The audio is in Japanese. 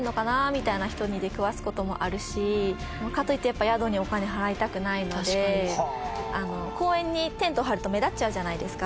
みたいな人に出くわす事もあるしかといって宿にお金払いたくないので公園にテント張ると目立っちゃうじゃないですか。